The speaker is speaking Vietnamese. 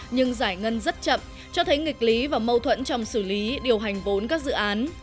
nhưng giải ngân rất chậm cho thấy nghịch lý và mâu thuẫn trong xử lý điều hành vốn các dự án